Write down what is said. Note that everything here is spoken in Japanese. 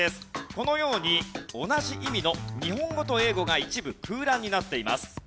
このように同じ意味の日本語と英語が一部空欄になっています。